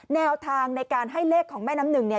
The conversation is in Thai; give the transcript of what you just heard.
แนวทางในการให้เลขของแม่น้ำหนึ่งเนี่ย